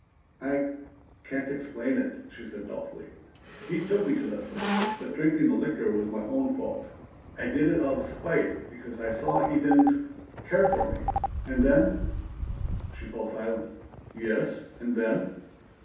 "I can't explain it," she said doubtfully. "He took me to that place, but drinking the liquor was my own fault. I did it out of spite because I saw he didn't care for me. And then " She fell silent. "Yes? And then?"